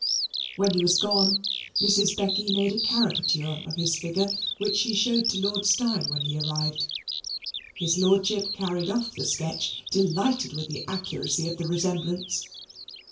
When he was gone, Mrs. Becky made a caricature of his figure, which she showed to Lord Steyne when he arrived. His lordship carried off the sketch, delighted with the accuracy of the resemblance.